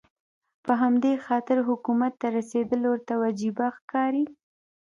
په همدې خاطر حکومت ته رسېدل ورته وجیبه ښکاري.